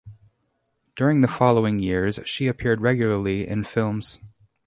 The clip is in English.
During the following years, she appeared regularly in films.